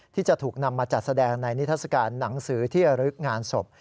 ที่จะถูกนำมาจัดแสดงในนิทัศกาลหนังสือที่ระลึกงานศพ